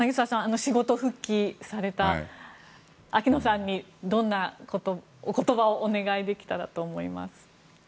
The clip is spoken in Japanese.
仕事復帰された秋野さんに言葉をお願いできたらと思います。